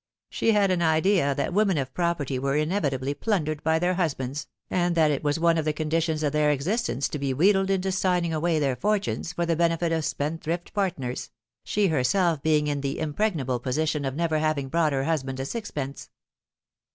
She had an idea that women of property were inevitably plundered by their hushands, and that it was one of the conditions of their existence to be wheedled into signing away their fortunes for the benefit of spendthrift part ners, she herself being in the impregnable position of never having brought her husband a sixpence.